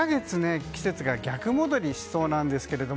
２か月、季節が逆戻りしそうです。